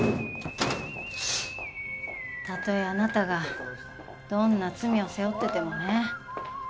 たとえあなたがどんな罪を背負っててもね。